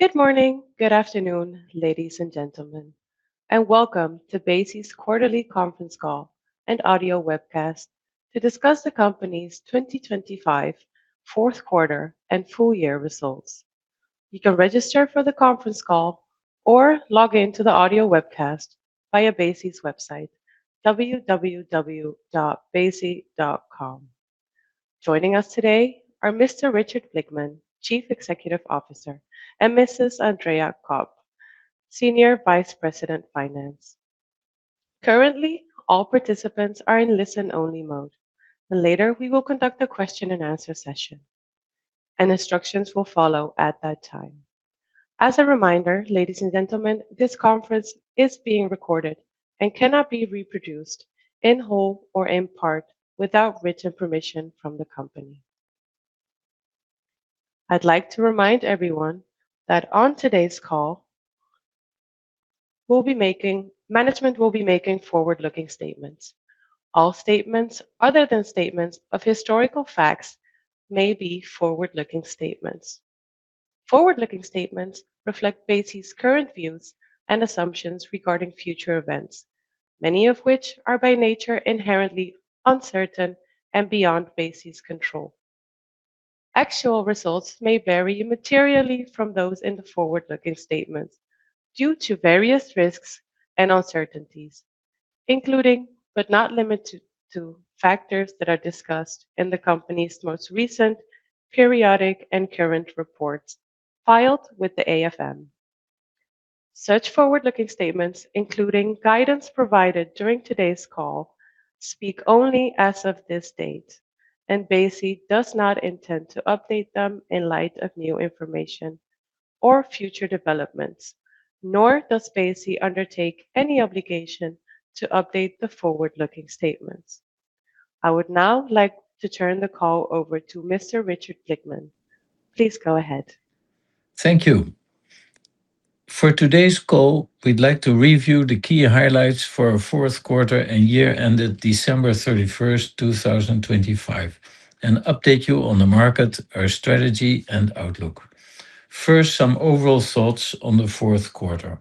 Good morning, good afternoon, ladies and gentlemen, and welcome to Besi's quarterly conference call and audio webcast to discuss the company's 2025 fourth quarter and full year results. You can register for the conference call or log in to the audio webcast via Besi's website, www.besi.com. Joining us today are Mr. Richard Blickman, Chief Executive Officer, and Mrs. Andrea Kopp, Senior Vice President, Finance. Currently, all participants are in listen-only mode, and later we will conduct a question and answer session, and instructions will follow at that time. As a reminder, ladies and gentlemen, this conference is being recorded and cannot be reproduced in whole or in part without written permission from the company. I'd like to remind everyone that on today's call, management will be making forward-looking statements. All statements other than statements of historical facts may be forward-looking statements. Forward-looking statements reflect Besi's current views and assumptions regarding future events, many of which are, by nature, inherently uncertain and beyond Besi's control. Actual results may vary materially from those in the forward-looking statements due to various risks and uncertainties, including, but not limited to, factors that are discussed in the company's most recent periodic and current reports filed with the AFM. Such forward-looking statements, including guidance provided during today's call, speak only as of this date, and Besi does not intend to update them in light of new information or future developments, nor does Besi undertake any obligation to update the forward-looking statements. I would now like to turn the call over to Mr. Richard Blickman. Please go ahead. Thank you. For today's call, we'd like to review the key highlights for our fourth quarter and year ended December 31, 2025, and update you on the market, our strategy, and outlook. First, some overall thoughts on the fourth quarter.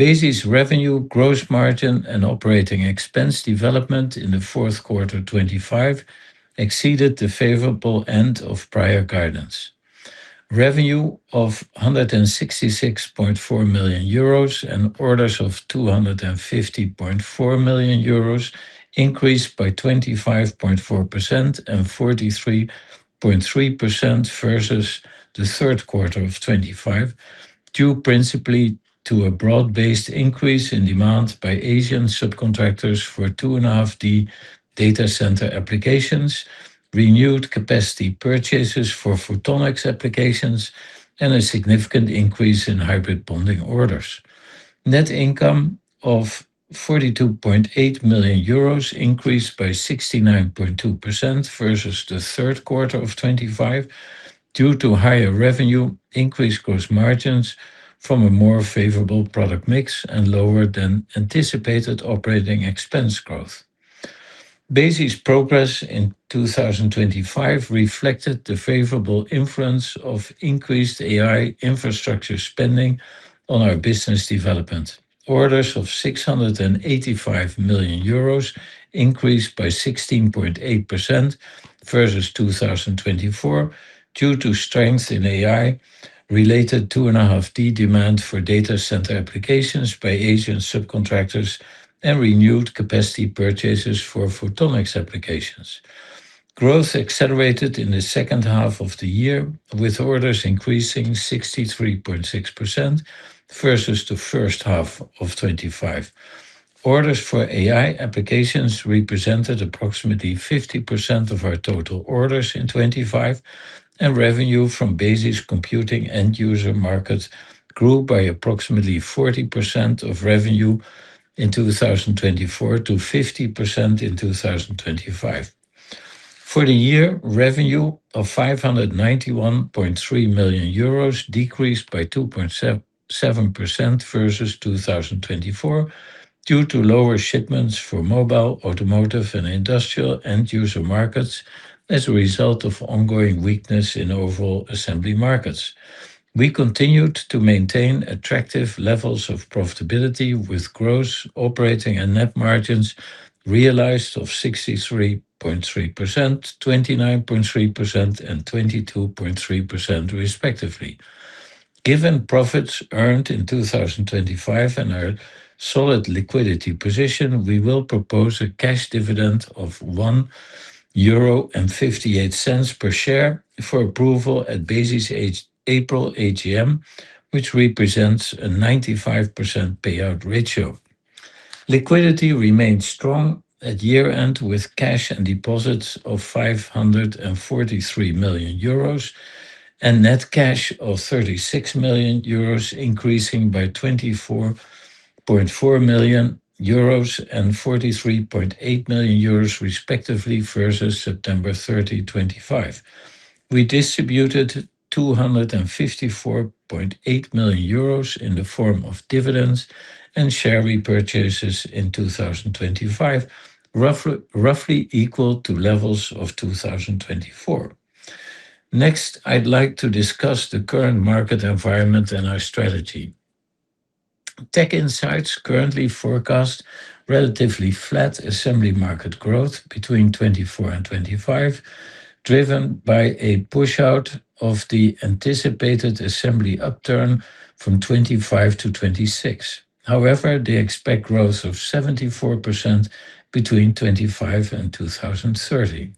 Besi's revenue, gross margin, and operating expense development in the fourth quarter 2025 exceeded the favorable end of prior guidance. Revenue of 166.4 million euros and orders of 250.4 million euros increased by 25.4% and 43.3% versus the third quarter of 2025, due principally to a broad-based increase in demand by Asian subcontractors for 2.5D data center applications, renewed capacity purchases for photonics applications, and a significant increase in hybrid bonding orders. Net income of 42.8 million euros increased by 69.2% versus the third quarter of 2025, due to higher revenue, increased gross margins from a more favorable product mix, and lower than anticipated operating expense growth. Besi's progress in 2025 reflected the favorable influence of increased AI infrastructure spending on our business development. Orders of 685 million euros increased by 16.8% versus 2024, due to strength in AI, related 2.5D demand for data center applications by Asian subcontractors, and renewed capacity purchases for photonics applications. Growth accelerated in the second half of the year, with orders increasing 63.6% versus the first half of 2025. Orders for AI applications represented approximately 50% of our total orders in 2025, and revenue from Besi's computing end user markets grew by approximately 40% of revenue in 2024 to 50% in 2025. For the year, revenue of 591.3 million euros decreased by 2.7% versus 2024, due to lower shipments for mobile, automotive, and industrial end user markets as a result of ongoing weakness in overall assembly markets. We continued to maintain attractive levels of profitability, with gross operating and net margins realized of 63.3%, 29.3%, and 22.3%, respectively. Given profits earned in 2025 and our solid liquidity position, we will propose a cash dividend of 1.58 euro per share for approval at Besi's April AGM, which represents a 95% payout ratio. Liquidity remained strong at year-end, with cash and deposits of 543 million euros and net cash of 36 million euros, increasing by 24.4 million euros and 43.8 million euros, respectively, versus September 30, 2025. We distributed 254.8 million euros in the form of dividends and share repurchases in 2025, roughly equal to levels of 2024. Next, I'd like to discuss the current market environment and our strategy. TechInsights currently forecast relatively flat assembly market growth between 2024 and 2025, driven by a push out of the anticipated assembly upturn from 2025 to 2026. However, they expect growth of 74% between 2025 and 2030.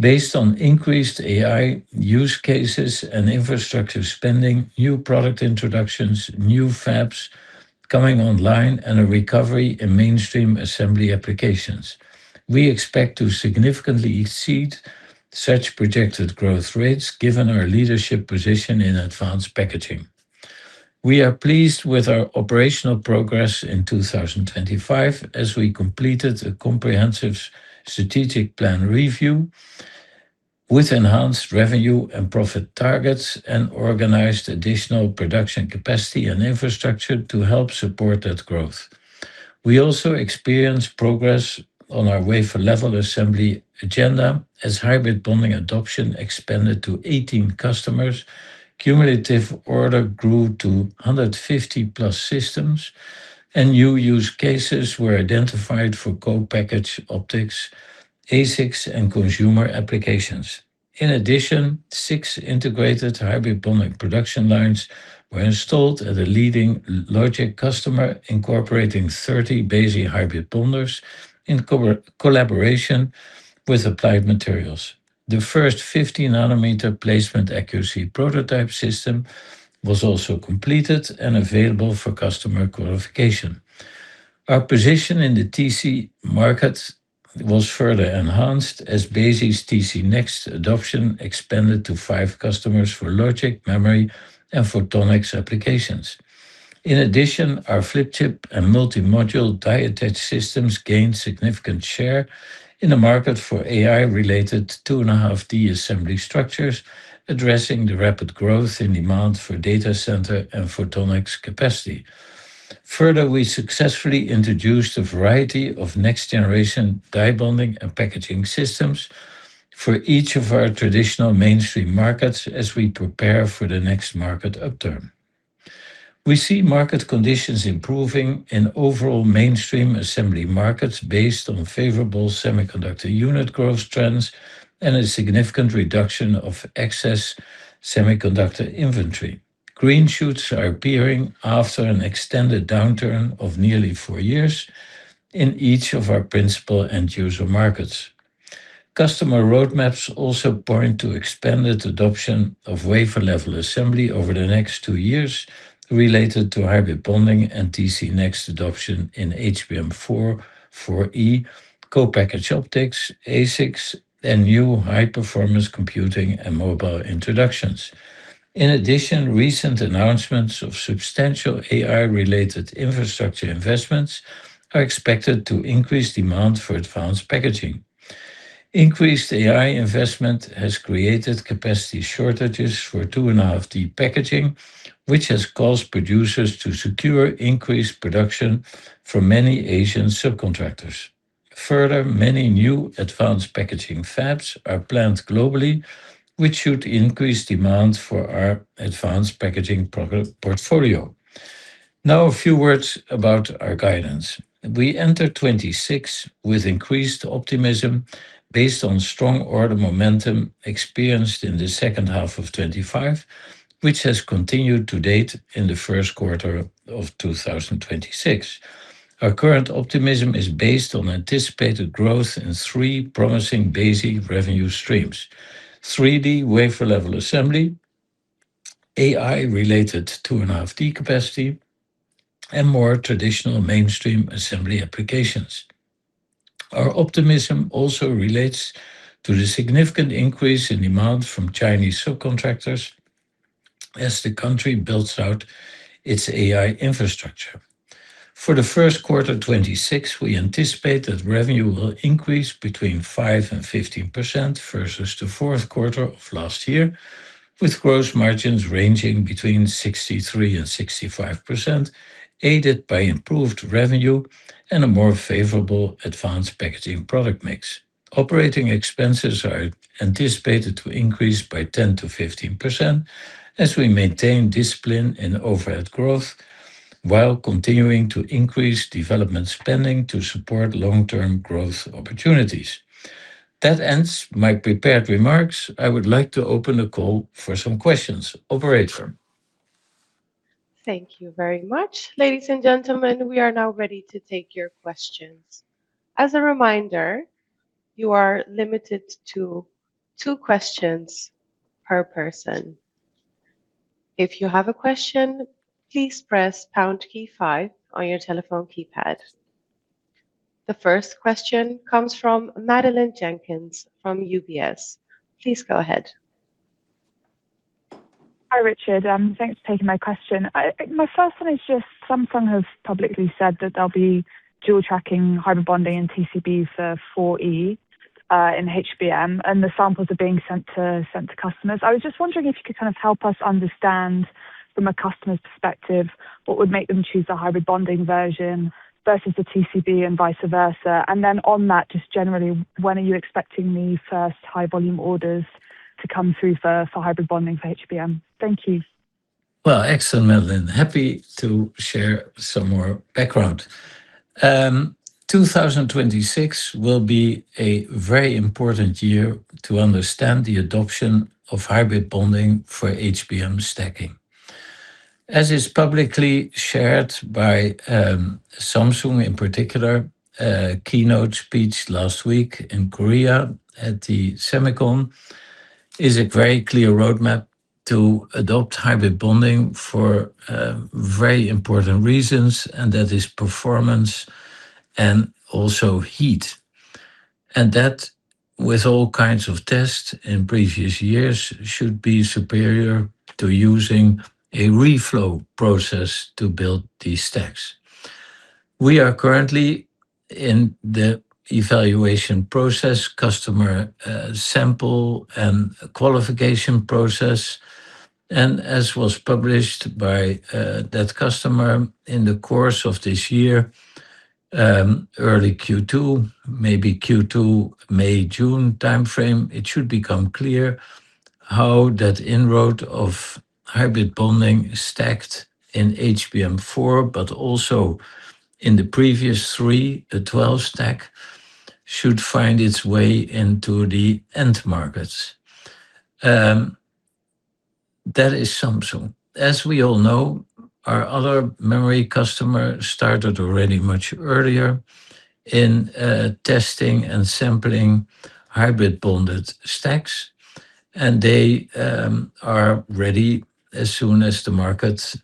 Based on increased AI use cases and infrastructure spending, new product introductions, new fabs coming online, and a recovery in mainstream assembly applications, we expect to significantly exceed such projected growth rates, given our leadership position in advanced packaging. We are pleased with our operational progress in 2025 as we completed a comprehensive strategic plan review with enhanced revenue and profit targets, and organized additional production capacity and infrastructure to help support that growth. We also experienced progress on our wafer level assembly agenda, as hybrid bonding adoption expanded to 18 customers. Cumulative orders grew to 150+ systems, and new use cases were identified for co-packaged optics, ASICs, and consumer applications. In addition, six integrated hybrid bonding production lines were installed at a leading logic customer, incorporating 30 Besi hybrid bonders in collaboration with Applied Materials. The first 50-nanometer placement accuracy prototype system was also completed and available for customer qualification. Our position in the TC markets was further enhanced as Besi's TC Next adoption expanded to five customers for logic, memory, and photonics applications. In addition, our flip chip and multi-module die attach systems gained significant share in the market for AI-related 2.5D assembly structures, addressing the rapid growth in demand for data center and photonics capacity. Further, we successfully introduced a variety of next generation die bonding and packaging systems for each of our traditional mainstream markets as we prepare for the next market upturn. We see market conditions improving in overall mainstream assembly markets based on favorable semiconductor unit growth trends and a significant reduction of excess semiconductor inventory. Green shoots are appearing after an extended downturn of nearly four years in each of our principal end user markets. Customer roadmaps also point to expanded adoption of wafer level assembly over the next two years, related to hybrid bonding and TC Next adoption in HBM4E, co-packaged optics, ASICs, and new high-performance computing and mobile introductions. In addition, recent announcements of substantial AI-related infrastructure investments are expected to increase demand for advanced packaging. Increased AI investment has created capacity shortages for 2.5D packaging, which has caused producers to secure increased production from many Asian subcontractors. Further, many new advanced packaging fabs are planned globally, which should increase demand for our advanced packaging portfolio. Now, a few words about our guidance. We enter 2026 with increased optimism based on strong order momentum experienced in the second half of 2025, which has continued to date in the first quarter of 2026. Our current optimism is based on anticipated growth in three promising basic revenue streams: 3D wafer level assembly, AI-related 2.5D capacity, and more traditional mainstream assembly applications. Our optimism also relates to the significant increase in demand from Chinese subcontractors as the country builds out its AI infrastructure. For the first quarter 2026, we anticipate that revenue will increase between 5% and 15% versus the fourth quarter of last year, with gross margins ranging between 63%-65%, aided by improved revenue and a more favorable advanced packaging product mix. Operating expenses are anticipated to increase by 10%-15% as we maintain discipline in overhead growth, while continuing to increase development spending to support long-term growth opportunities. That ends my prepared remarks. I would like to open the call for some questions. Operator? Thank you very much. Ladies and gentlemen, we are now ready to take your questions. As a reminder, you are limited to two questions per person. If you have a question, please press pound key five on your telephone keypad. The first question comes from Madeleine Jenkins from UBS. Please go ahead. Hi, Richard. Thanks for taking my question. My first one is just Samsung has publicly said that they'll be dual tracking hybrid bonding and TCB for 4E in HBM, and the samples are being sent to, sent to customers. I was just wondering if you could kind of help us understand from a customer's perspective, what would make them choose a hybrid bonding version versus the TCB and vice versa? And then on that, just generally, when are you expecting the first high volume orders to come through for, for hybrid bonding for HBM. Thank you. Well, excellent, Madeleine. Happy to share some more background. 2026 will be a very important year to understand the adoption of hybrid bonding for HBM stacking. As is publicly shared by Samsung in particular, a keynote speech last week in Korea at the SEMICON, is a very clear roadmap to adopt hybrid bonding for very important reasons, and that is performance and also heat. And that, with all kinds of tests in previous years, should be superior to using a reflow process to build these stacks. We are currently in the evaluation process, customer, sample and qualification process, and as was published by, that customer in the course of this year, early Q2, maybe Q2, May, June timeframe, it should become clear how that inroad of hybrid bonding stacked in HBM4, but also in the previous three, the 12-stack, should find its way into the end markets. That is Samsung. As we all know, our other memory customer started already much earlier in, testing and sampling hybrid bonded stacks, and they, are ready as soon as the market,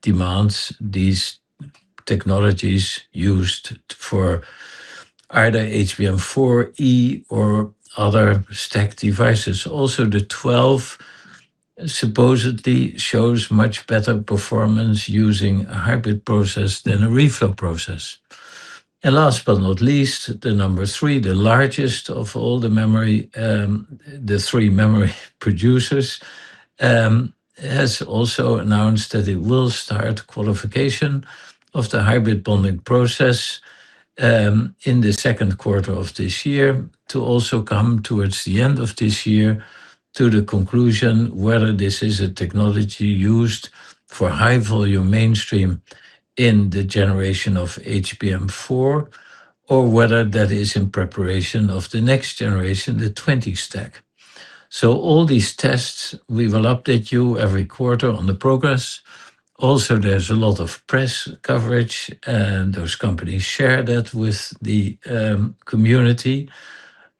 demands these technologies used for either HBM4E or other stack devices. Also, the 12 supposedly shows much better performance using a hybrid process than a reflow process. Last but not least, the number three, the largest of all the memory, the three memory producers, has also announced that it will start qualification of the hybrid bonding process, in the second quarter of this year. To also come towards the end of this year, to the conclusion whether this is a technology used for high volume mainstream in the generation of HBM4, or whether that is in preparation of the next generation, the 20 stack. So all these tests, we will update you every quarter on the progress. Also, there's a lot of press coverage, and those companies share that with the community,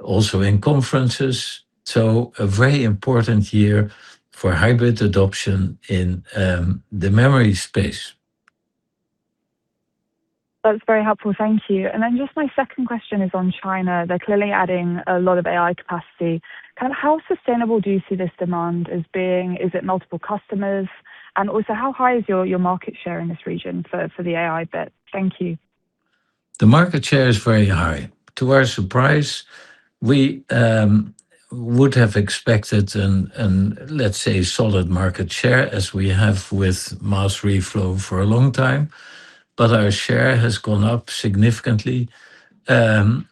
also in conferences. So a very important year for hybrid adoption in the memory space. That's very helpful. Thank you. And then just my second question is on China. They're clearly adding a lot of AI capacity. Kind of how sustainable do you see this demand as being? Is it multiple customers? And also, how high is your market share in this region for the AI bit? Thank you. The market share is very high. To our surprise, we would have expected and let's say, solid market share, as we have with mass reflow for a long time, but our share has gone up significantly,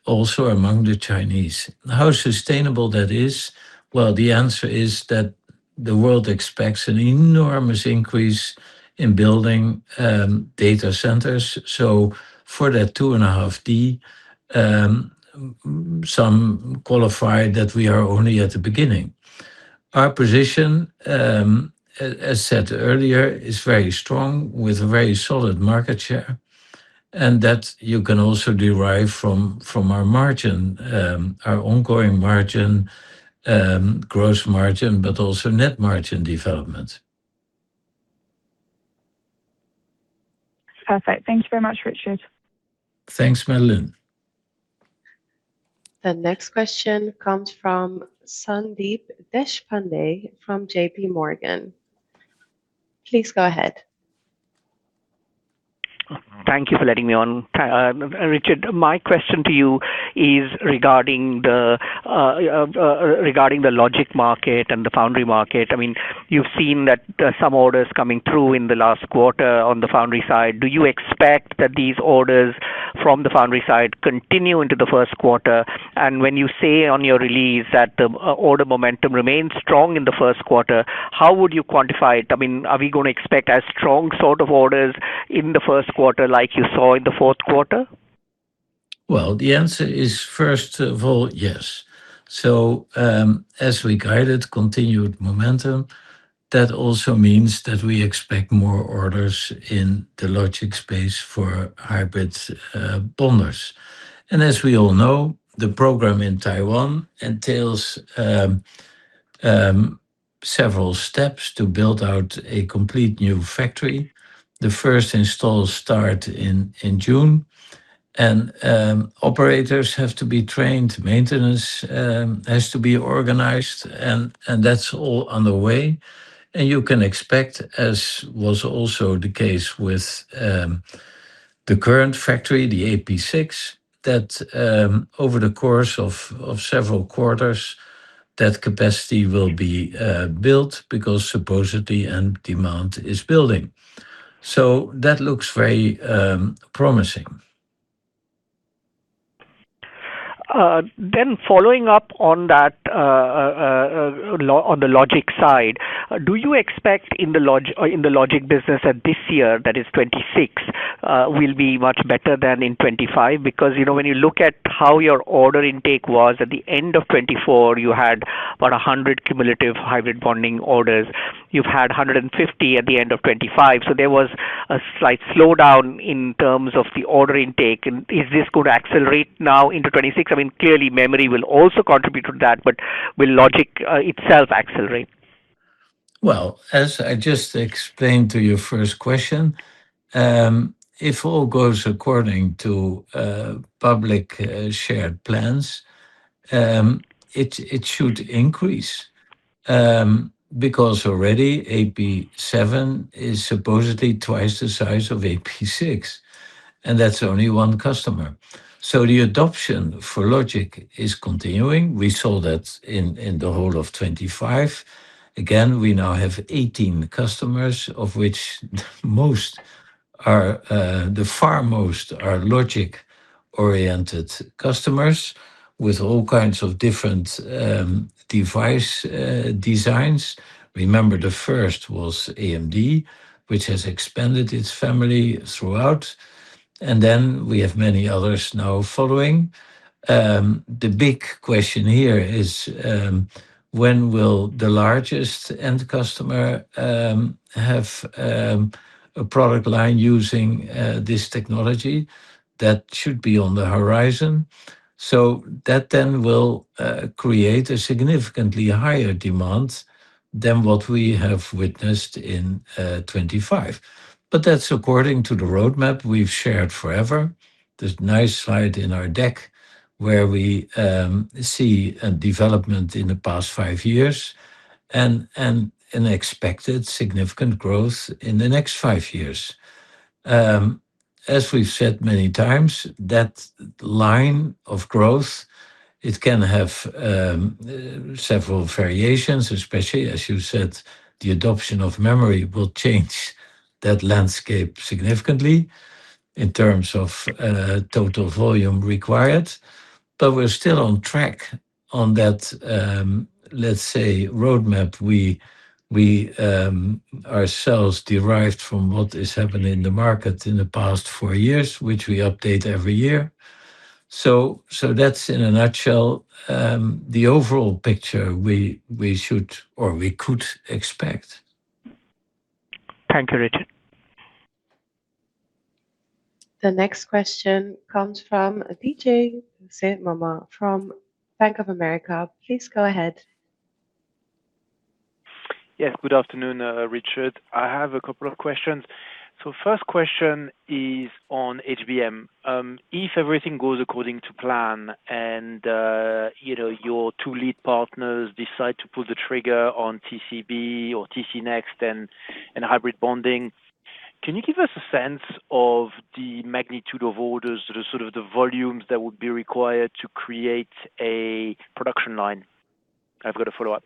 also among the Chinese. How sustainable that is? Well, the answer is that the world expects an enormous increase in building data centers. So for that 2.5D, some qualify that we are only at the beginning. Our position, as said earlier, is very strong, with a very solid market share, and that you can also derive from our margin, our operating margin, gross margin, but also net margin development. Perfect. Thank you very much, Richard. Thanks, Madeleine. The next question comes from Sandeep Deshpande, from J.P. Morgan. Please go ahead. Thank you for letting me on. Richard, my question to you is regarding the logic market and the foundry market. I mean, you've seen that some orders coming through in the last quarter on the foundry side. Do you expect that these orders from the foundry side continue into the first quarter? And when you say on your release that the order momentum remains strong in the first quarter, how would you quantify it? I mean, are we gonna expect as strong sort of orders in the first quarter like you saw in the fourth quarter? Well, the answer is, first of all, yes. So, as we guided, continued momentum, that also means that we expect more orders in the logic space for hybrid bonders. And as we all know, the program in Taiwan entails several steps to build out a complete new factory. The first installs start in June, and operators have to be trained, maintenance has to be organized, and that's all on the way. And you can expect, as was also the case with the current factory, the AP6, that over the course of several quarters, that capacity will be built because supposedly, and demand is building. So that looks very promising. Then following up on that, on the logic side, do you expect in the logic business that this year, that is 2026, will be much better than in 2025? Because, you know, when you look at how your order intake was at the end of 2024, you had about 100 cumulative hybrid bonding orders. You've had 150 hybrid bonding orders at the end of 2025, so there was a slight slowdown in terms of the order intake. And is this going to accelerate now into 2026? I mean, clearly, memory will also contribute to that, but will logic itself accelerate? Well, as I just explained to your first question, if all goes according to public shared plans, it should increase, because already AP7 is supposedly twice the size of AP6, and that's only one customer. So the adoption for logic is continuing. We saw that in the whole of 2025. Again, we now have 18 customers, of which most are, the far most are logic-oriented customers with all kinds of different device designs. Remember, the first was AMD, which has expanded its family throughout, and then we have many others now following. The big question here is, when will the largest end customer have a product line using this technology? That should be on the horizon. So that then will create a significantly higher demand than what we have witnessed in 2025. But that's according to the roadmap we've shared forever. There's a nice slide in our deck where we see a development in the past five years and an expected significant growth in the next five years. As we've said many times, that line of growth, it can have several variations, especially, as you said, the adoption of memory will change that landscape significantly in terms of total volume required. But we're still on track on that, let's say, roadmap we ourselves derived from what is happening in the market in the past four years, which we update every year. So that's in a nutshell the overall picture we should or we could expect. Thank you, Richard. The next question comes from Didier Scemama from Bank of America. Please go ahead. Yes, good afternoon, Richard. I have a couple of questions. First question is on HBM. If everything goes according to plan and, you know, your two lead partners decide to pull the trigger on TCB or TC Next and, and hybrid bonding, can you give us a sense of the magnitude of orders or the sort of the volumes that would be required to create a production line? I've got a follow-up.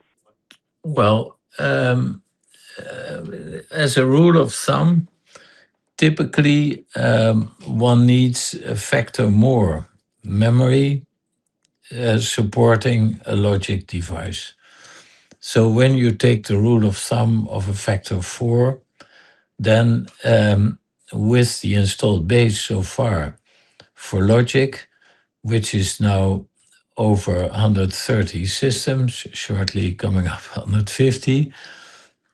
Well, as a rule of thumb, typically, one needs a factor more memory supporting a logic device. So when you take the rule of thumb of a factor of four, then, with the installed base so far for logic, which is now over 130 systems, shortly coming up 150,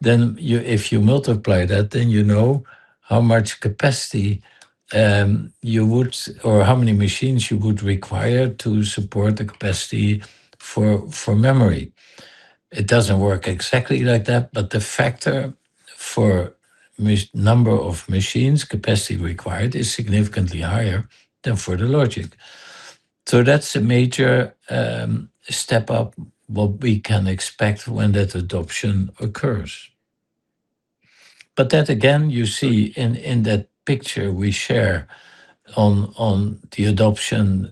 then if you multiply that, then you know how much capacity you would, or how many machines you would require to support the capacity for memory. It doesn't work exactly like that, but the factor for number of machines capacity required is significantly higher than for the logic. So that's a major step up, what we can expect when that adoption occurs. But that, again, you see in that picture we share on the adoption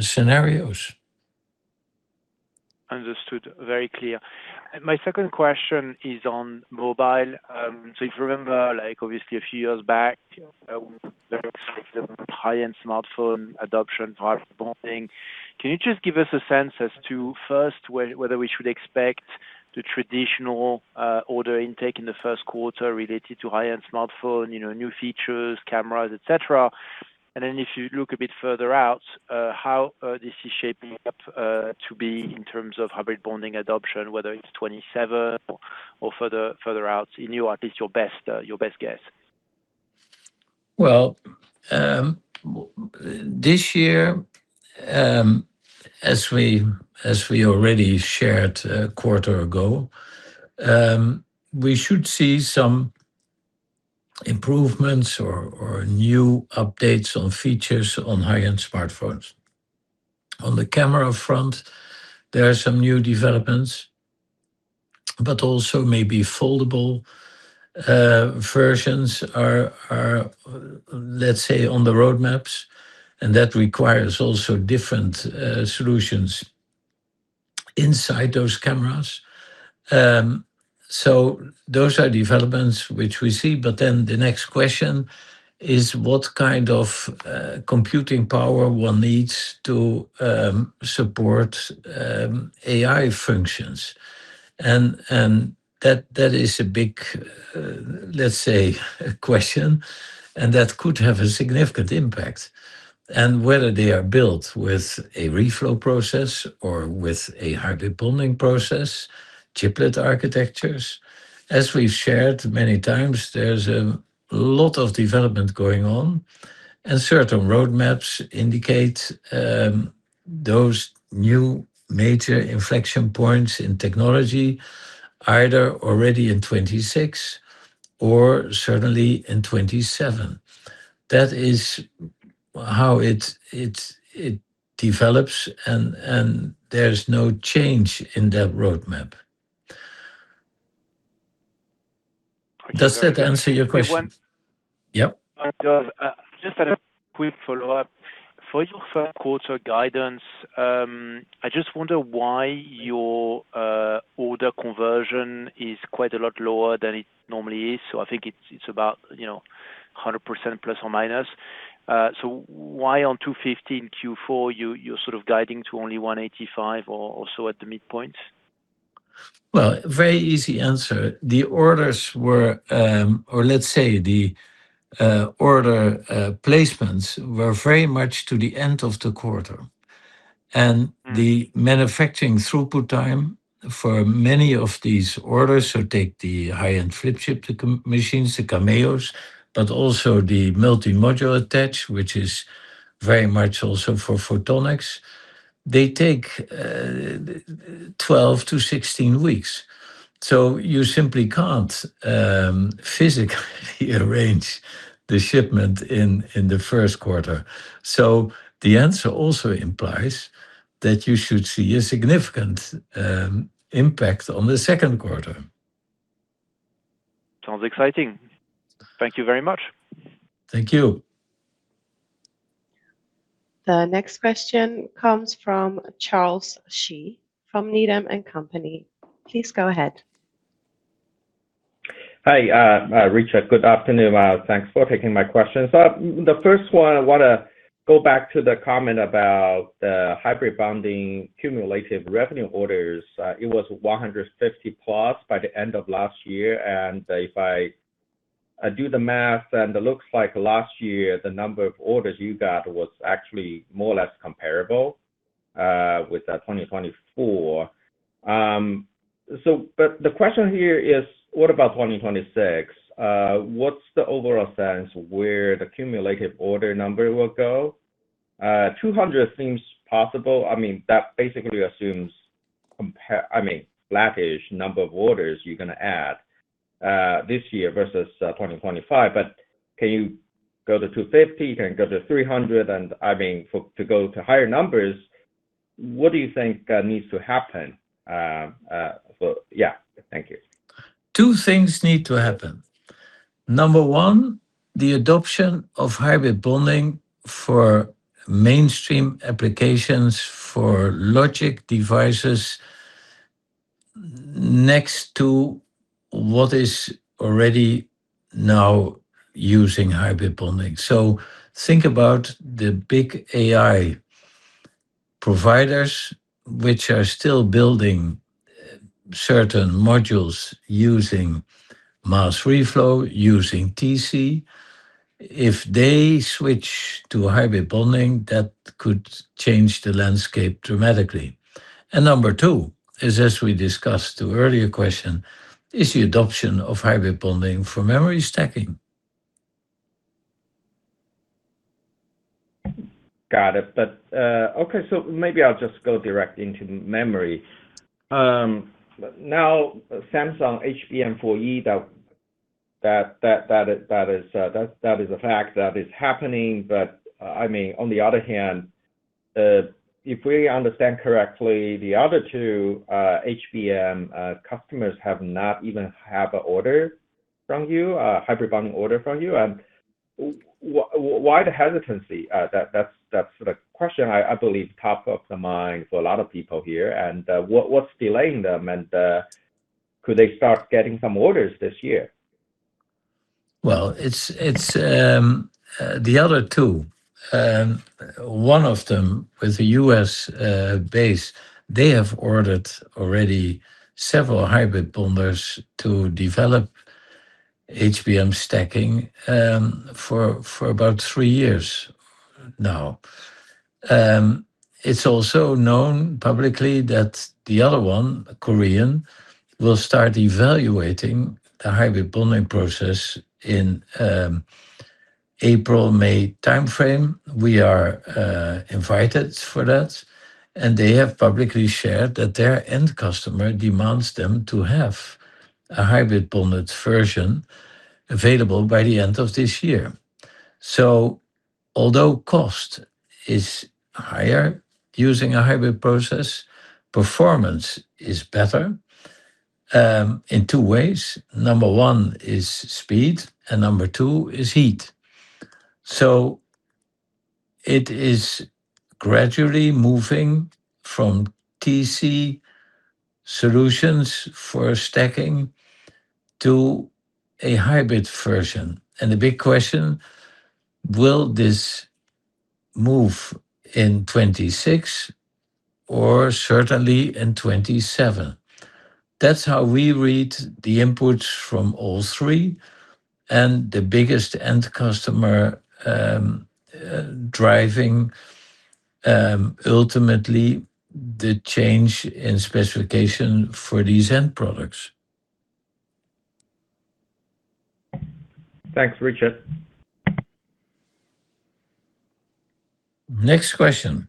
scenarios. Understood. Very clear. My second question is on mobile. So if you remember, like obviously a few years back, the high-end smartphone adoption type of thing, can you just give us a sense as to, first, whether we should expect the traditional order intake in the first quarter related to high-end smartphone, you know, new features, cameras, et cetera? And then if you look a bit further out, how this is shaping up to be in terms of hybrid bonding adoption, whether it's 2027 or further out, in your best guess? Well, this year, as we already shared a quarter ago, we should see some improvements or new updates on features on high-end smartphones. On the camera front, there are some new developments, but also maybe foldable versions are, let's say, on the roadmaps, and that requires also different solutions inside those cameras. So those are developments which we see, but then the next question is, what kind of computing power one needs to support AI functions? And that is a big, let's say, a question, and that could have a significant impact. Whether they are built with a reflow process or with a hybrid bonding process, chiplet architectures, as we've shared many times, there's a lot of development going on, and certain roadmaps indicate those new major inflection points in technology, either already in 2026 or certainly in 2027. That is how it develops, and there's no change in that roadmap. Does that answer your question? Yeah? Just a quick follow-up. For your first quarter guidance, I just wonder why your order conversion is quite a lot lower than it normally is. So I think it's, it's about, you know, 100% ±. So why on 250 million Q4 you're sort of guiding to only 185 million or so at the midpoint? Well, very easy answer. The orders were. Or let's say the order placements were very much to the end of the quarter. And the manufacturing throughput time for many of these orders, so take the high-end flip chip, theCameo machines, the Cameos, but also the multi-module attach, which is very much also for photonics, they take 12 weeks-16 weeks. So you simply can't physically arrange the shipment in the first quarter. So the answer also implies that you should see a significant impact on the second quarter. Sounds exciting. Thank you very much! Thank you. The next question comes from Charles Shi, from Needham & Company. Please go ahead. Hi, Richard, good afternoon. Thanks for taking my questions. The first one, I wanna go back to the comment about the hybrid bonding cumulative revenue orders. It was 150+ by the end of last year, and if I do the math, then it looks like last year, the number of orders you got was actually more or less comparable with 2024. So but the question here is, what about 2026? What's the overall sense where the cumulative order number will go? 200 seems possible. I mean, that basically assumes I mean, flattish number of orders you're gonna add this year versus 2025. But can you go to 250 orders, can you go to 300 orders, and, I mean, for, to go to higher numbers, what do you think needs to happen? So, yeah. Thank you. Two things need to happen. Number one, the adoption of hybrid bonding for mainstream applications, for logic devices next to what is already now using hybrid bonding. So think about the big AI providers, which are still building certain modules using mass reflow, using TC. If they switch to hybrid bonding, that could change the landscape dramatically. And number two is, as we discussed the earlier question, is the adoption of hybrid bonding for memory stacking. Got it. But, okay, so maybe I'll just go direct into memory. Now, Samsung HBM4E, that is a fact that is happening, but, I mean, on the other hand, if we understand correctly, the other two HBM customers have not even have a order from you, a hybrid bonding order from you. Why the hesitancy? That's the question I believe top of the mind for a lot of people here. And, what's delaying them, and, could they start getting some orders this year? Well, it's the other two, one of them with a U.S. base, they have ordered already several hybrid bonders to develop HBM stacking for about three years now. It's also known publicly that the other one, Korean, will start evaluating the hybrid bonding process in April, May timeframe. We are invited for that, and they have publicly shared that their end customer demands them to have a hybrid bonded version available by the end of this year. So although cost is higher, using a hybrid process, performance is better in two ways. Number one is speed, and number two is heat. So it is gradually moving from TC solutions for stacking to a hybrid version. And the big question, will this move in 2026 or certainly in 2027? That's how we read the inputs from all three, and the biggest end customer driving ultimately the change in specification for these end products. Thanks, Richard. Next question.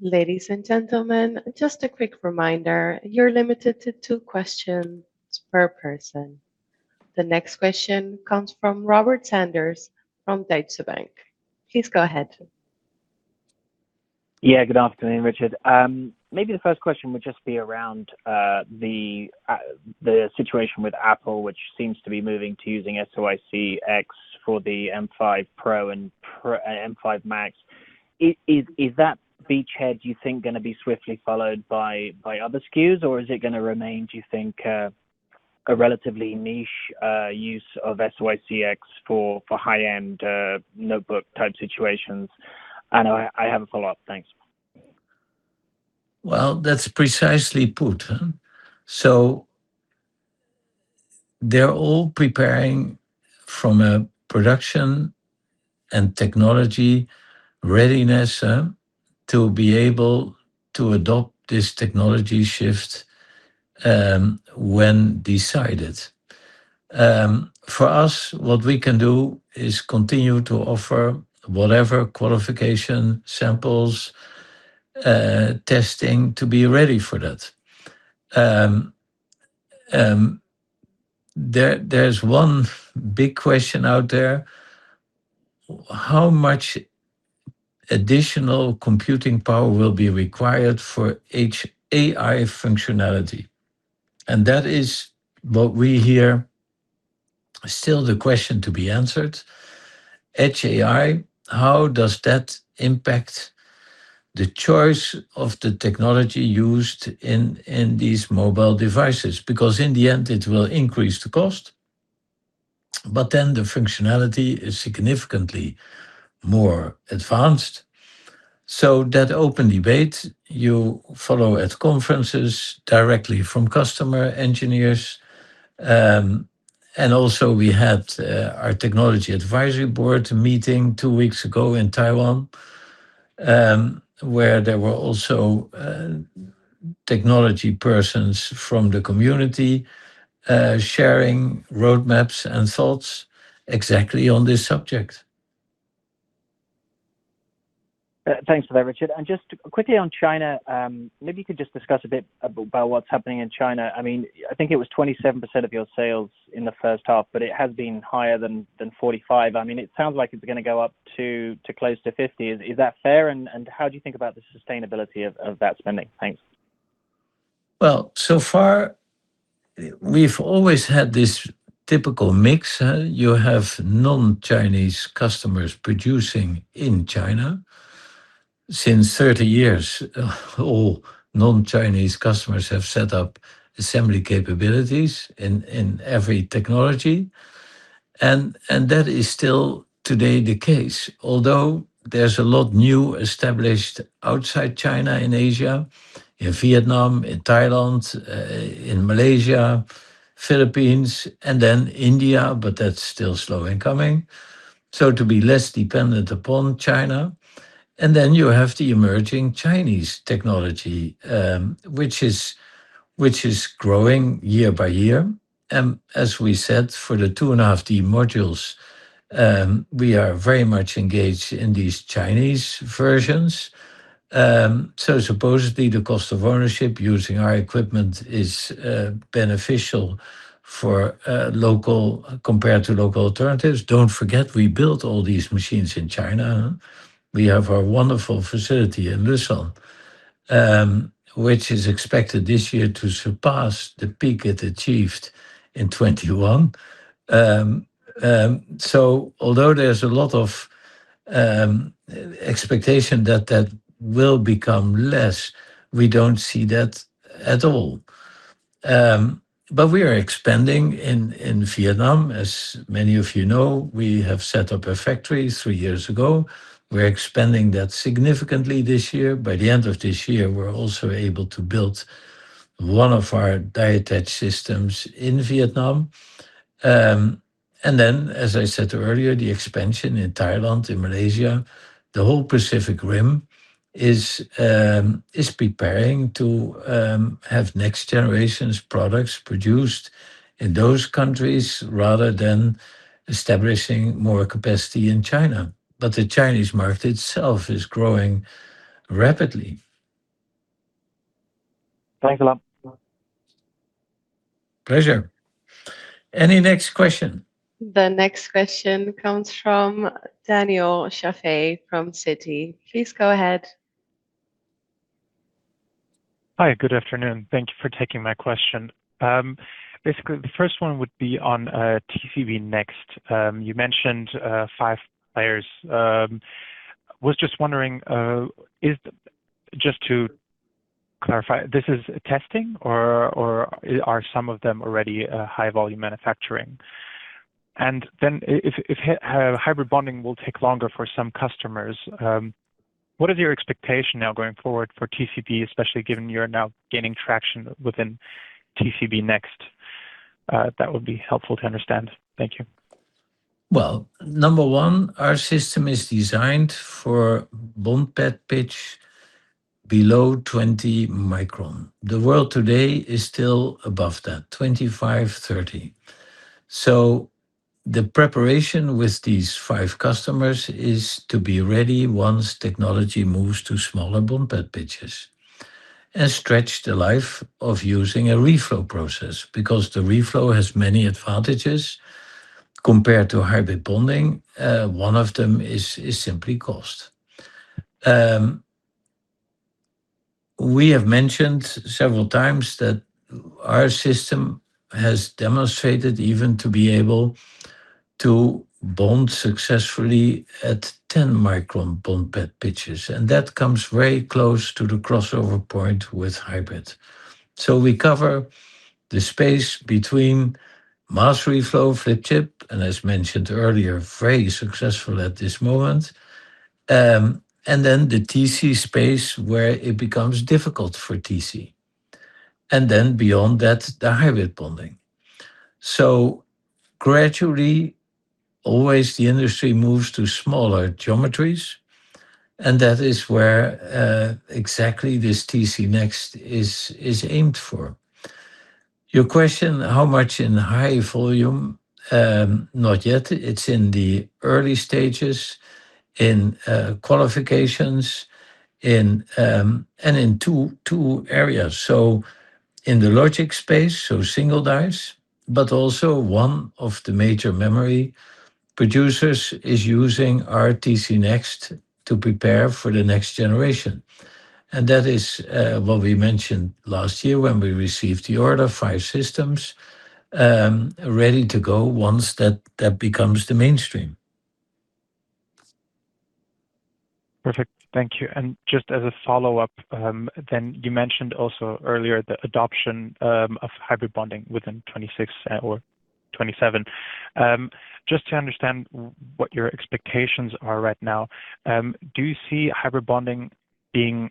Ladies and gentlemen, just a quick reminder, you're limited to two questions per person. The next question comes from Robert Sanders from Deutsche Bank. Please go ahead. Yeah, good afternoon, Richard. Maybe the first question would just be around the situation with Apple, which seems to be moving to using SoIC-X for the M5 Pro and M5 Max. Is that beachhead, do you think, gonna be swiftly followed by other SKUs, or is it gonna remain, do you think, a relatively niche use of SoIC-X for high-end notebook-type situations? And I have a follow-up. Thanks. Well, that's precisely put, huh? So they're all preparing from a production and technology readiness to be able to adopt this technology shift, when decided. For us, what we can do is continue to offer whatever qualification, samples, testing to be ready for that. There's one big question out there, how much additional computing power will be required for Edge AI functionality? And that is what we hear, still the question to be answered. Edge AI, how does that impact the choice of the technology used in these mobile devices? Because in the end, it will increase the cost, but then the functionality is significantly more advanced. So that open debate, you follow at conferences directly from customer engineers. And also we had our technology advisory board meeting two weeks ago in Taiwan, where there were also technology persons from the community sharing roadmaps and thoughts exactly on this subject. Thanks for that, Richard. And just quickly on China, maybe you could just discuss a bit about what's happening in China. I mean, I think it was 27% of your sales in the first half, but it has been higher than 45%. I mean, it sounds like it's gonna go up to close to 50%. Is that fair? And how do you think about the sustainability of that spending? Thanks. Well, so far, we've always had this typical mix, huh? You have non-Chinese customers producing in China. Since 30 years, all non-Chinese customers have set up assembly capabilities in every technology, and that is still today the case. Although, there's a lot new established outside China in Asia, in Vietnam, in Thailand, in Malaysia, Philippines, and then India, but that's still slow in coming. So to be less dependent upon China, and then you have the emerging Chinese technology, which is growing year by year. As we said, for the 2.5D modules, we are very much engaged in these Chinese versions. So supposedly, the cost of ownership using our equipment is beneficial for local, compared to local alternatives. Don't forget, we built all these machines in China. We have our wonderful facility in Leshan, which is expected this year to surpass the peak it achieved in 2021. So although there's a lot of expectation that that will become less, we don't see that at all. But we are expanding in Vietnam. As many of you know, we have set up a factory three years ago. We're expanding that significantly this year. By the end of this year, we're also able to build one of our die attach systems in Vietnam. And then, as I said earlier, the expansion in Thailand, in Malaysia, the whole Pacific Rim is preparing to have next generations products produced in those countries, rather than establishing more capacity in China. But the Chinese market itself is growing rapidly. Thanks a lot. Pleasure. Any next question? The next question comes from Daniel Schafei from Citi. Please go ahead. Hi, good afternoon. Thank you for taking my question. Basically, the first one would be on TC Next. You mentioned five players. Was just wondering, just to clarify, this is testing or are some of them already high volume manufacturing? And then if hybrid bonding will take longer for some customers, what is your expectation now going forward for TCB, especially given you're now gaining traction within TC Next? That would be helpful to understand. Thank you. Well, number one, our system is designed for bond pad pitch below 20 micron. The world today is still above that, 25 micron, 30 micron. So the preparation with these five customers is to be ready once technology moves to smaller bond pad pitches, and stretch the life of using a reflow process, because the reflow has many advantages compared to hybrid bonding, one of them is, is simply cost. We have mentioned several times that our system has demonstrated even to be able to bond successfully at 10 micron bond pad pitches, and that comes very close to the crossover point with hybrid. So we cover the space between mask reflow, flip chip, and as mentioned earlier, very successful at this moment, and then the TC space, where it becomes difficult for TC, and then beyond that, the hybrid bonding. So gradually, always the industry moves to smaller geometries, and that is where exactly this TC Next is aimed for. Your question, how much in high volume? Not yet. It's in the early stages, in qualifications, and in two areas. So in the logic space, so single dies, but also one of the major memory producers is using our TC Next to prepare for the next generation. And that is what we mentioned last year when we received the order, 5 systems ready to go once that becomes the mainstream. Perfect. Thank you, and just as a follow-up, then you mentioned also earlier the adoption of hybrid bonding within 2026 or 2027. Just to understand what your expectations are right now, do you see hybrid bonding being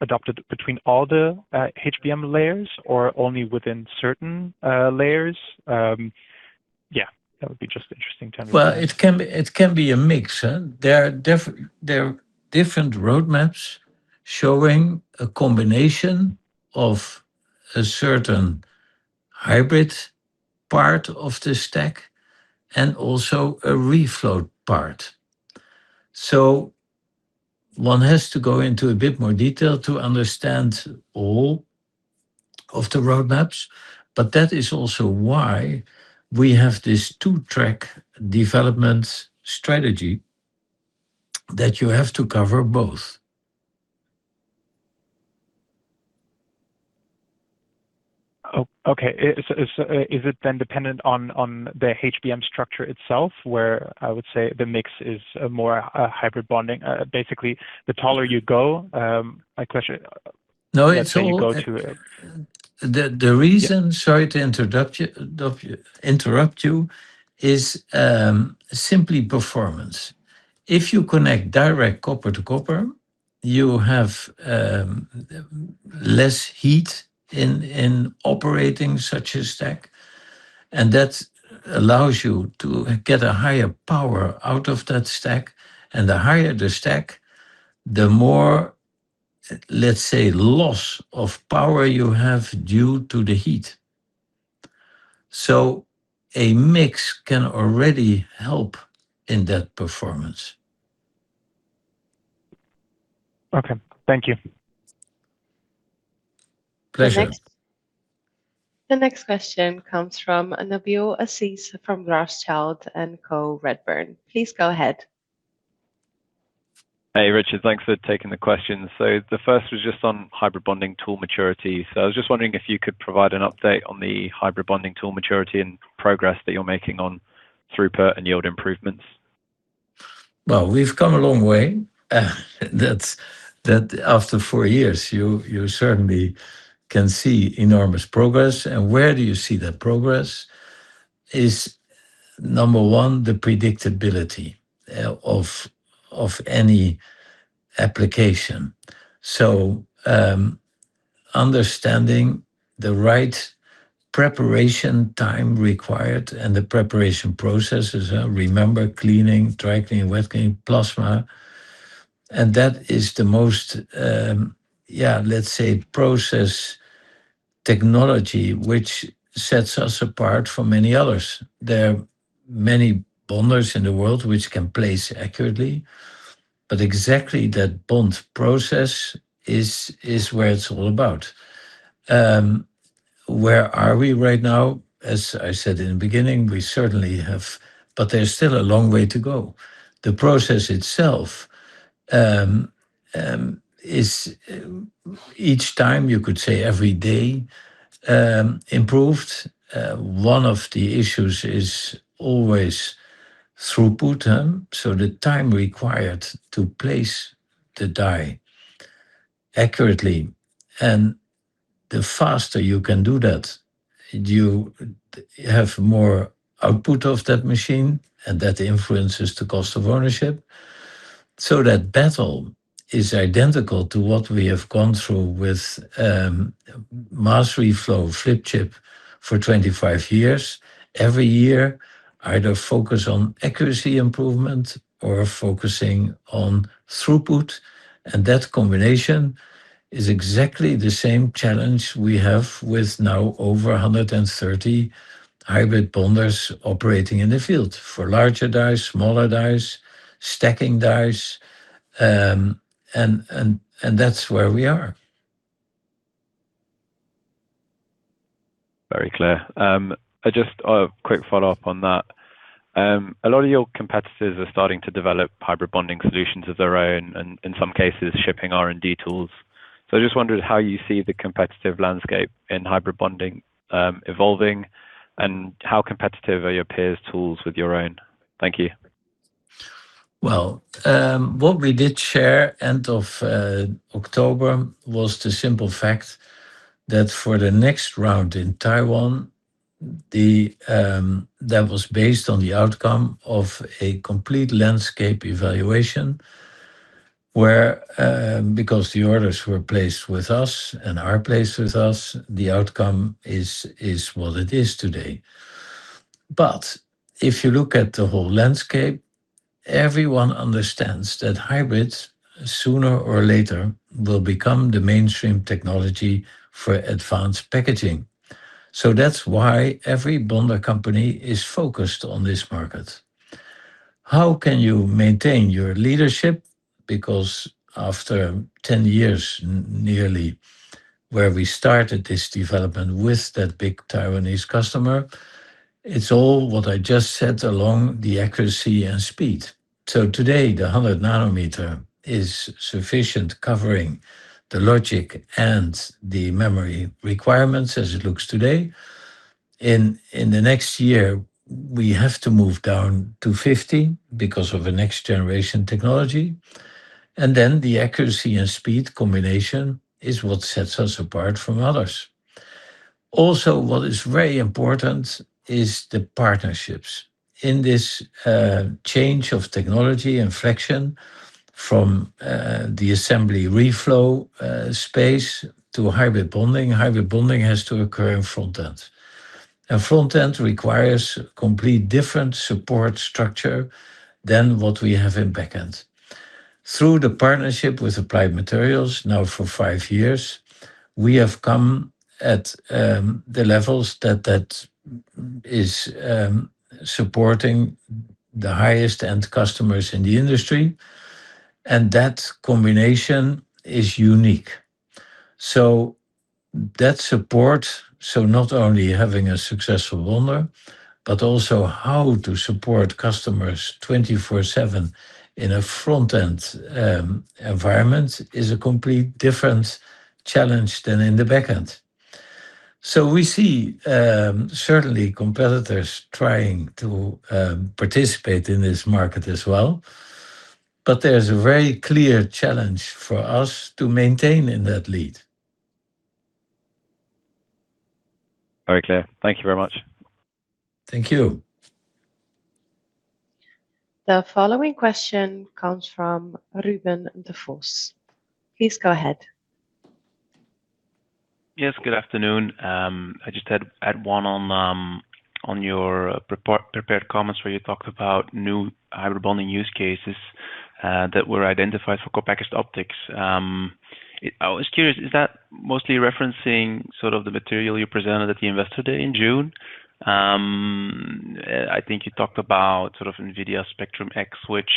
adopted between all the HBM layers or only within certain layers? Yeah, that would be just interesting to understand. Well, it can be, it can be a mix, huh? There are different roadmaps showing a combination of a certain hybrid part of this stack and also a reflow part. So one has to go into a bit more detail to understand all of the roadmaps, but that is also why we have this two-track development strategy, that you have to cover both. Oh, okay. So, so, is it then dependent on, on the HBM structure itself, where I would say the mix is, more a hybrid bonding? Basically, the taller you go, my question, No, it's all- You go to, The reason, sorry to interrupt you, is simply performance. If you connect direct copper to copper, you have less heat in operating such a stack, and that allows you to get a higher power out of that stack. And the higher the stack, the more, let's say, loss of power you have due to the heat. So a mix can already help in that performance. Okay. Thank you. Pleasure. The next question comes from Nabeel Aziz, from Rothschild & Co Redburn. Please go ahead. Hey, Richard, thanks for taking the question. So the first was just on hybrid bonding tool maturity. So I was just wondering if you could provide an update on the hybrid bonding tool maturity and progress that you're making on throughput and yield improvements. Well, we've come a long way. That's after four years, you certainly can see enormous progress. And where do you see that progress? Number one, the predictability of any application. So, understanding the right preparation time required and the preparation processes, remember cleaning, dry cleaning, wet cleaning, plasma, and that is the most, let's say, process technology, which sets us apart from many others. There are many bonders in the world which can place accurately, but exactly that bond process is where it's all about. Where are we right now? As I said in the beginning, we certainly have, but there's still a long way to go. The process itself is, each time, you could say every day, improved. One of the issues is always throughput, so the time required to place the die accurately, and the faster you can do that, you have more output of that machine, and that influences the cost of ownership. So that battle is identical to what we have gone through with mass reflow flip chip for 25 years. Every year, either focus on accuracy improvement or focusing on throughput, and that combination is exactly the same challenge we have with now over 130 hybrid bonders operating in the field for larger dies, smaller dies, stacking dies, and that's where we are. Very clear. I just a quick follow-up on that. A lot of your competitors are starting to develop hybrid bonding solutions of their own, and in some cases, shipping R&D tools. So I just wondered how you see the competitive landscape in hybrid bonding, evolving, and how competitive are your peers' tools with your own? Thank you. Well, what we did share end of October was the simple fact that for the next round in Taiwan, that was based on the outcome of a complete landscape evaluation, where, because the orders were placed with us and are placed with us, the outcome is, is what it is today. But if you look at the whole landscape, everyone understands that hybrids, sooner or later, will become the mainstream technology for advanced packaging. So that's why every bonder company is focused on this market. How can you maintain your leadership? Because after 10 years, nearly, where we started this development with that big Taiwanese customer, it's all what I just said along the accuracy and speed. So today, the 100 nanometer is sufficient, covering the logic and the memory requirements as it looks today. In the next year, we have to move down to 50 nanometer because of the next generation technology, and then the accuracy and speed combination is what sets us apart from others. Also, what is very important is the partnerships. In this change of technology inflection from the assembly reflow space to hybrid bonding, hybrid bonding has to occur in front-end. And front-end requires complete different support structure than what we have in back-end. Through the partnership with Applied Materials, now for 5 years, we have come at the levels that is supporting the highest-end customers in the industry, and that combination is unique. So that support, so not only having a successful bonder, but also how to support customers 24/7 in a front-end environment, is a complete different challenge than in the back end. We see, certainly competitors trying to participate in this market as well, but there's a very clear challenge for us to maintain in that lead. Very clear. Thank you very much. Thank you. The following question comes from Ruben Devos. Please go ahead. Yes, good afternoon. I just had one on your report, prepared comments where you talked about new hybrid bonding use cases that were identified for co-packaged optics. I was curious, is that mostly referencing sort of the material you presented at the Investor Day in June? I think you talked about sort of NVIDIA Spectrum-X, which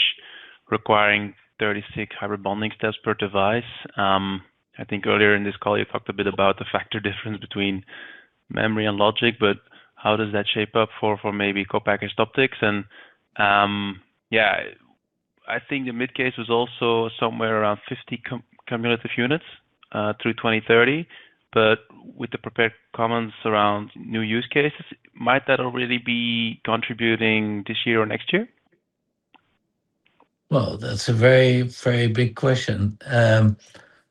requiring 36 hybrid bonding steps per device. I think earlier in this call, you talked a bit about the factor difference between memory and logic, but how does that shape up for maybe co-packaged optics? And, yeah, I think the mid case was also somewhere around 50 cumulative units through 2030, but with the prepared comments around new use cases, might that already be contributing this year or next year? Well, that's a very, very big question.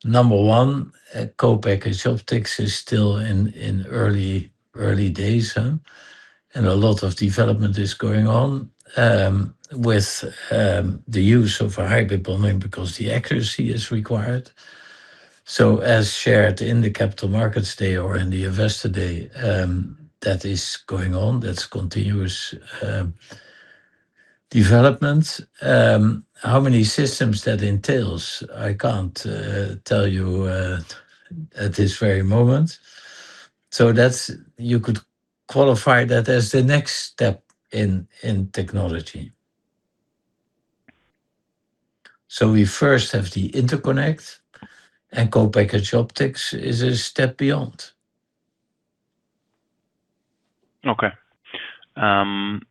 Number one, co-packaged optics is still in early, early days, and a lot of development is going on with the use of hybrid bonding because the accuracy is required. So as shared in the Capital Markets Day or in the Investor Day, that is going on, that's continuous development. How many systems that entails? I can't tell you at this very moment. So that's you could qualify that as the next step in technology. So we first have the interconnect, and co-packaged optics is a step beyond. Okay. And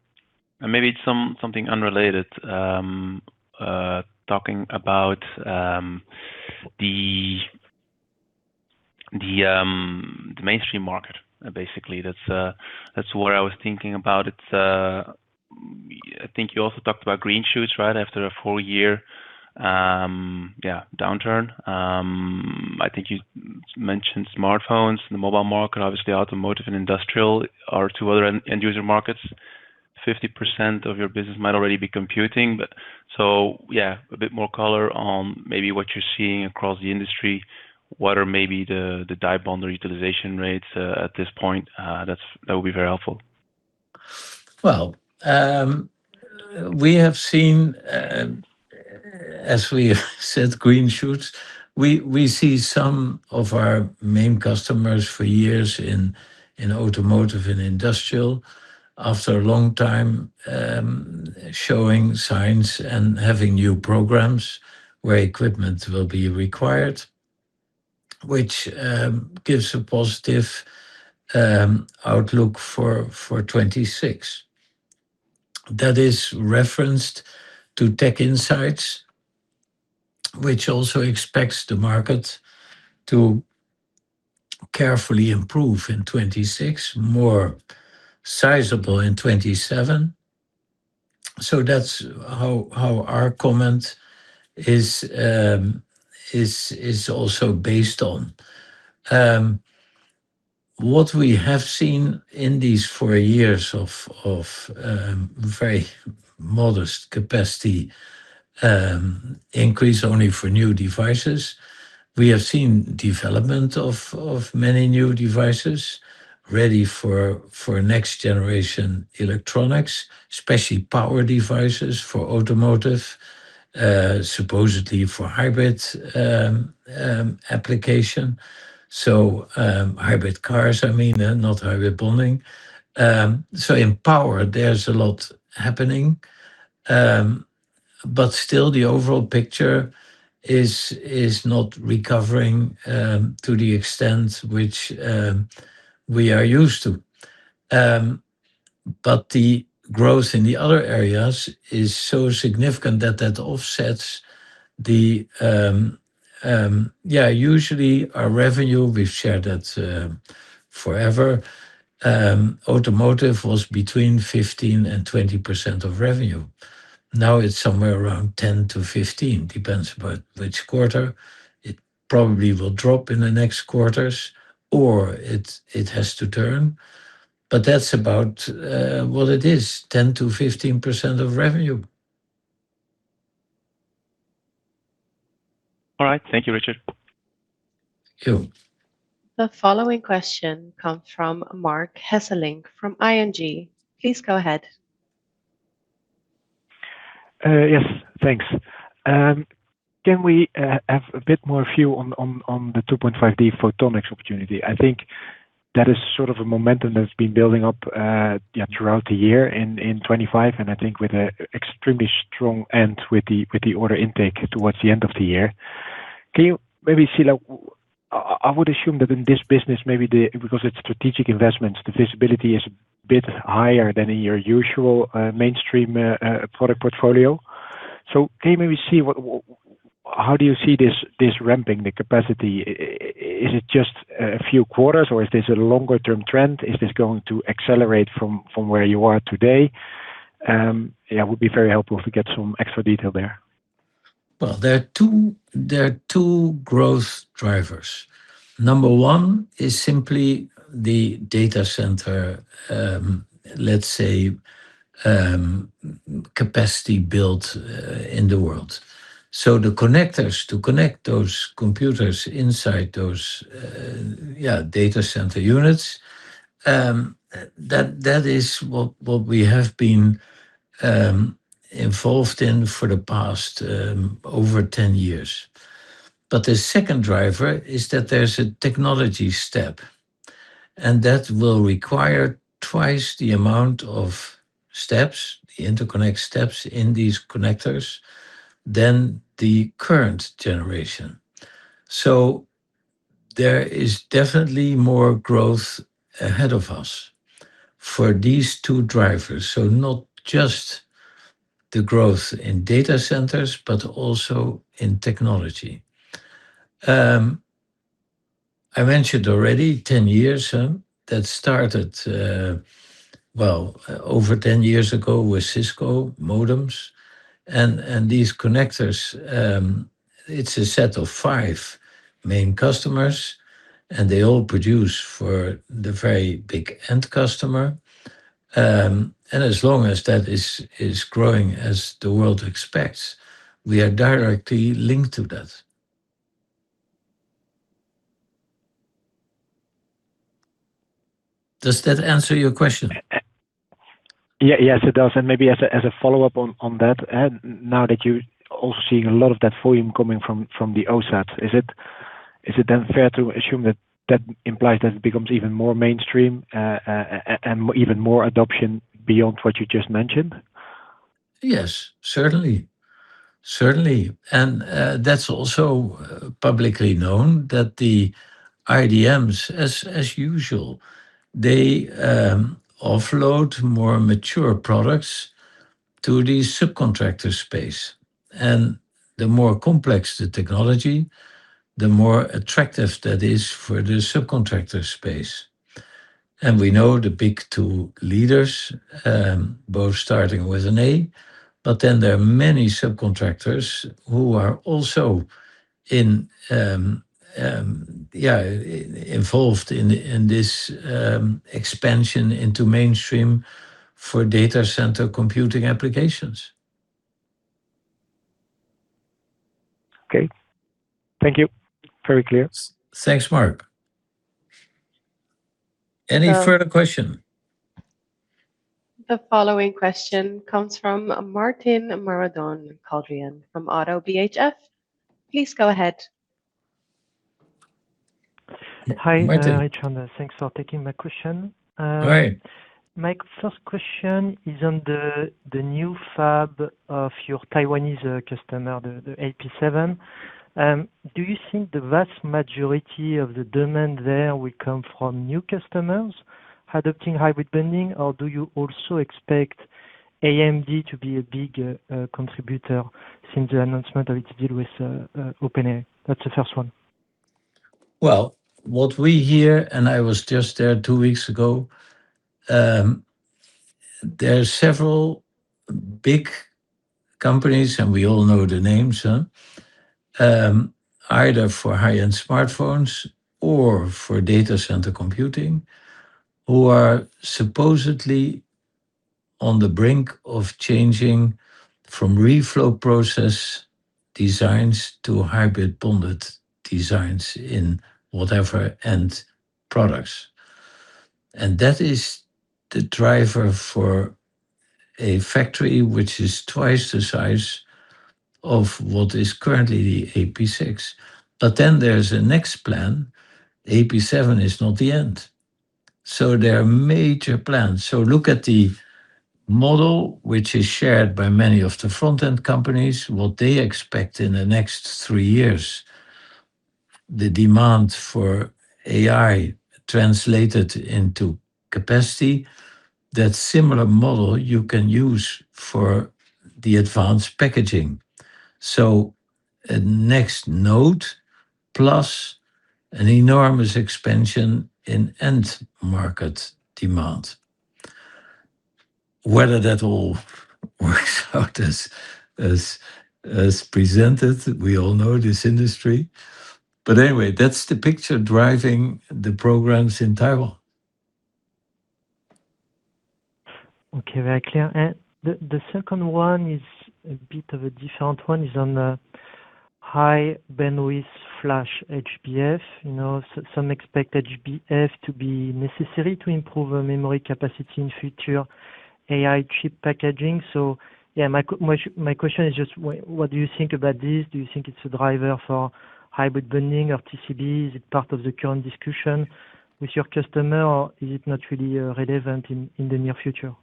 maybe it's something unrelated, talking about the mainstream market. Basically, that's what I was thinking about. It's, I think you also talked about green shoots, right? After a full year, yeah, downturn. I think you mentioned smartphones and the mobile market, obviously, automotive and industrial are two other end user markets. 50% of your business might already be computing, but so yeah, a bit more color on maybe what you're seeing across the industry. What are maybe the die bond or utilization rates at this point, that would be very helpful. Well, we have seen, and as we said, green shoots. We see some of our main customers for years in automotive and industrial, after a long time, showing signs and having new programs where equipment will be required, which gives a positive outlook for 2026. That is referenced to TechInsights, which also expects the market to carefully improve in 2026, more sizable in 2027. So that's how our comment is also based on. What we have seen in these four years of very modest capacity increase only for new devices. We have seen development of many new devices ready for next generation electronics, especially power devices for automotive, supposedly for hybrid application. So, hybrid cars, I mean, not hybrid bonding. So in power, there's a lot happening, but still the overall picture is not recovering to the extent which we are used to. But the growth in the other areas is so significant that offsets the... Yeah, usually our revenue, we've shared that forever. Automotive was between 15%-20% of revenue. Now it's somewhere around 10%-15%, depends by which quarter. It probably will drop in the next quarters, or it has to turn, but that's about what it is, 10%-15% of revenue. All right. Thank you, Richard. Thank you. The following question comes from Marc Hesselink, from ING. Please go ahead. Yes, thanks. Can we have a bit more view on the 2.5D photonics opportunity? I think that is sort of a momentum that's been building up, yeah, throughout the year in 2025, and I think with a extremely strong end with the order intake towards the end of the year. Can you maybe see like, I would assume that in this business, maybe because it's strategic investments, the visibility is a bit higher than in your usual mainstream product portfolio. So can you maybe see what, how do you see this ramping the capacity? Is it just a few quarters, or is this a longer term trend? Is this going to accelerate from where you are today? Yeah, it would be very helpful to get some extra detail there. Well, there are two, there are two growth drivers. Number one is simply the data center, let's say, capacity built in the world. So the connectors to connect those computers inside those data center units, that is what we have been involved in for the past over ten years. But the second driver is that there's a technology step, and that will require twice the amount of steps, the interconnect steps in these connectors than the current generation. So there is definitely more growth ahead of us for these two drivers. So not just the growth in data centers, but also in technology. I mentioned already ten years, huh? That started well over 10 years ago with Cisco modems and these connectors. It's a set of five main customers, and they all produce for the very big end customer. As long as that is growing, as the world expects, we are directly linked to that. Does that answer your question? Yeah. Yes, it does. And maybe as a follow-up on that, and now that you're also seeing a lot of that volume coming from the OSAT, is it then fair to assume that that implies that it becomes even more mainstream, and even more adoption beyond what you just mentioned? Yes, certainly. Certainly, and, that's also publicly known that the IDMs, as, as usual, they, offload more mature products to the subcontractor space. And the more complex the technology, the more attractive that is for the subcontractor space. And we know the big two leaders, both starting with an A, but then there are many subcontractors who are also in, yeah, involved in, in this, expansion into mainstream for data center computing applications. Okay. Thank you. Very clear. Thanks, Mark. Any further question? The following question comes from Martin Marandon-Carlhian from Oddo BHF. Please go ahead. Hi, Martin. Hi, Chanda. Thanks for taking my question. Hi. My first question is on the new fab of your Taiwanese customer, the AP7. Do you think the vast majority of the demand there will come from new customers adopting hybrid bonding? Or do you also expect AMD to be a big contributor since the announcement of its deal with OpenAI? That's the first one. Well, what we hear, and I was just there two weeks ago, there are several big companies, and we all know the names, huh? Either for high-end smartphones or for data center computing, who are supposedly on the brink of changing from reflow process designs to hybrid bonding designs in whatever end products. And that is the driver for a factory which is twice the size of what is currently the AP6. But then there's a next plan. AP7 is not the end. So there are major plans. So look at the model, which is shared by many of the front-end companies, what they expect in the next three years, the demand for AI translated into capacity, that similar model you can use for the advanced packaging. So a next node, plus an enormous expansion in end market demand. Whether that all works out as presented, we all know this industry, but anyway, that's the picture driving the programs in Taiwan. Okay, very clear. And the second one is a bit of a different one, is on the high bandwidth flash, HBF. You know, so some expect HBF to be necessary to improve the memory capacity in future AI chip packaging. So yeah, my question is just, what do you think about this? Do you think it's a driver for hybrid bonding or TCB? Is it part of the current discussion with your customer, or is it not really relevant in the near future?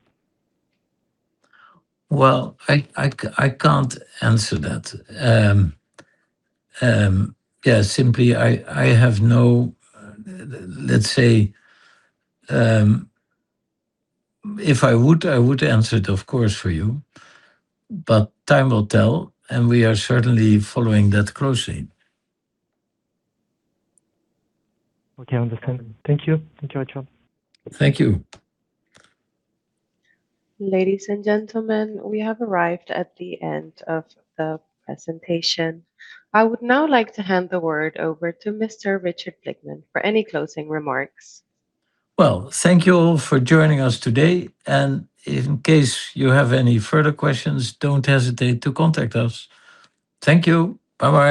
Well, I can't answer that. Yeah, simply, let's say, if I would, I would answer it, of course, for you, but time will tell, and we are certainly following that closely. Okay, understand. Thank you. Enjoy your- Thank you. Ladies and gentlemen, we have arrived at the end of the presentation. I would now like to hand the word over to Mr. Richard Blickman for any closing remarks. Well, thank you all for joining us today, and in case you have any further questions, don't hesitate to contact us. Thank you. Bye-bye.